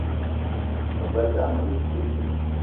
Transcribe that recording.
Me gbelé dam le te